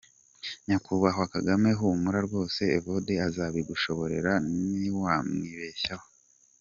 Nyakubahwa Kagame humura rwose Evode azabigushoborera ntiwamwibeshyeho.